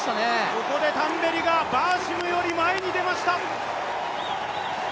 ここでタンベリがバーシムより前に出ました。